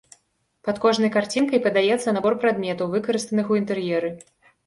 Пад кожнай карцінкай падаецца набор прадметаў, выкарыстаных у інтэр'еры.